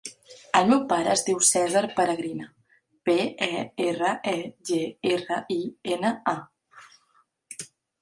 El meu pare es diu Cèsar Peregrina: pe, e, erra, e, ge, erra, i, ena, a.